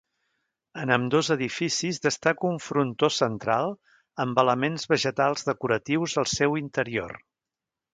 En ambdós edificis destaca un frontó central amb elements vegetals decoratius al seu interior.